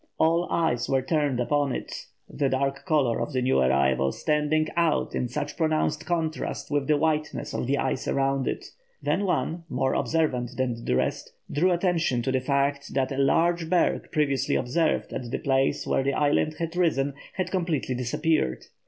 All eyes were turned upon it, the dark colour of the new arrival standing out in such pronounced contrast with the whiteness of the ice around it. Then one, more observant than the rest, drew attention to the fact that a large berg previously observed at the place where the island had risen, had completely disappeared.